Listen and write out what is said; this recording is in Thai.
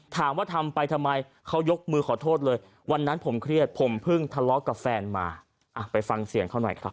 ถามว่าทำไปทำไมเขายกมือขอโทษเลยวันนั้นผมเครียดผมเพิ่งทะเลาะกับแฟนมาไปฟังเสียงเขาหน่อยครับ